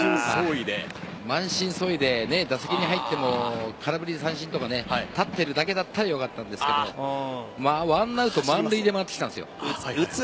満身創痍で打席に入っても空振り三振とか立ってるだけだったらよかったんですが１アウト満塁で回ってきたんです。